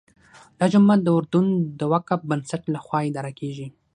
دا جومات د اردن د وقف بنسټ لخوا اداره کېږي.